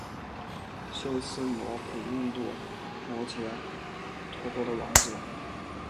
修私摩古印度摩揭陀国的王子。